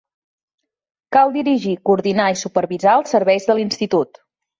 Cal dirigir, coordinar i supervisar els serveis de l'Institut.